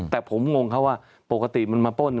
แต่ผมงงเขาว่าปกติมันมาป้น